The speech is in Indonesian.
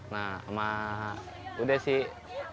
nah sama udah sih